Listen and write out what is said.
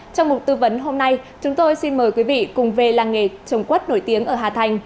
trong một tư vấn hôm nay chúng tôi xin mời quý vị cùng về làng nghề trồng quất nổi tiếng ở hà thành